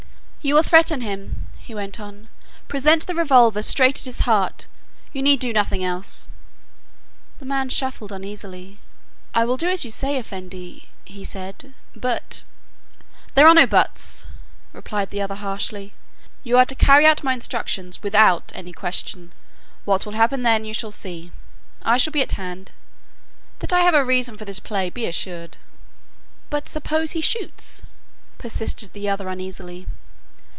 "You will threaten him," he went on. "Present the revolver straight at his heart. You need do nothing else." The man shuffled uneasily. "I will do as you say, Effendi," he said. "But " "There are no 'buts,'" replied the other harshly. "You are to carry out my instructions without any question. What will happen then you shall see. I shall be at hand. That I have a reason for this play be assured." "But suppose he shoots?" persisted the other uneasily.